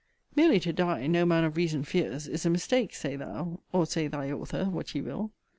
Merely to die, no man of reason fears, is a mistake, say thou, or say thy author, what ye will.